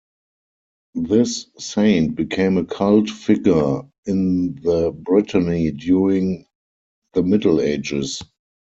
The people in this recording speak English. This saint became a cult figure in the Brittany during the Middle Ages.